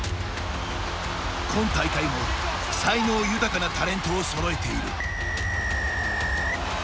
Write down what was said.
今大会も才能豊かなタレントをそろえている。